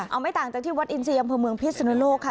เอาไม่ต่างจากที่วัดอินซีอำเภอเมืองพิศนุโลกค่ะ